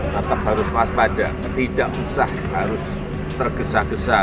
tetap harus waspada tidak usah harus tergesa gesa